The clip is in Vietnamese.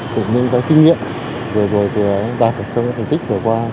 cũng như các kinh nghiệm vừa rồi vừa đạt được trong những thành tích vừa qua